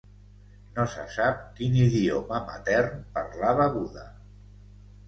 No se sap quin idioma matern parlava Buda.